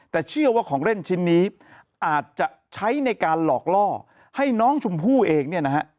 แต่เชื่อว่าของเล่นชิ้นนี้อาจจะใช้ในการหลอกล่อให้น้องชมพู่เองเนี่ยนะฮะ